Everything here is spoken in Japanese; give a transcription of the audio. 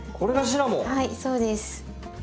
はいそうです。